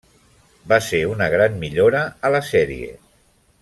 Va ser una gran millora a la sèrie.